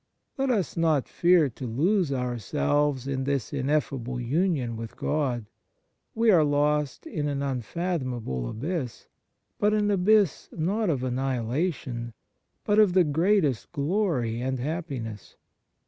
Let us not fear to lose ourselves in this ineffable union with God. We are lost in an unfathomable abyss, but an abyss not of annihilation, but of the greatest glory and happiness.